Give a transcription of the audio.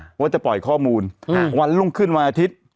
อ่าว่าจะปล่อยข้อมูลอืมวันลงขึ้นวันอาทิตย์